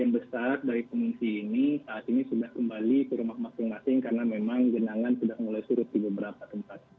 yang besar dari pengungsi ini saat ini sudah kembali ke rumah masing masing karena memang genangan sudah mulai surut di beberapa tempat